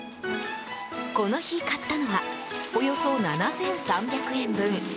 この日買ったのはおよそ７３００円分。